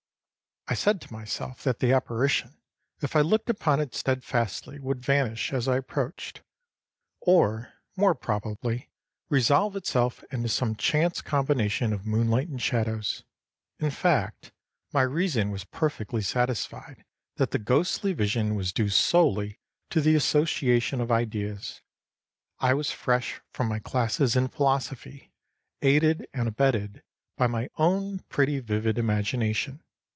I said to myself that the apparition, if I looked upon it steadfastly, would vanish as I approached, or, more probably, resolve itself into some chance combination of moonlight and shadows. In fact, my reason was perfectly satisfied that the ghostly vision was due solely to the association of ideas, I was fresh from my classes in philosophy, aided and abetted by my own pretty vivid imagination.